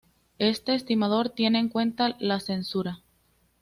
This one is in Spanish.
Este estimador tiene en cuenta la censura.